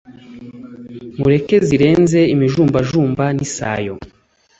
Mureke zirenze imijumbajumba nisayo